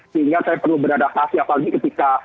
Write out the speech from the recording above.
sehingga saya perlu berada pasti apalagi ketika